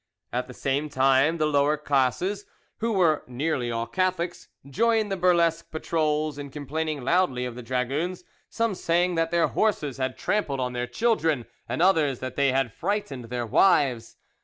At the same time, the lower classes, who were nearly all Catholics, joined the burlesque patrols in complaining loudly of the dragoons, some saying that their horses had trampled on their children, and others that they had frightened their wives.